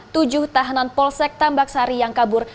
tujuh tahanan polsek tambak sari yang kabur